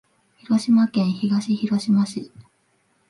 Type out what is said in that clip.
広島県東広島市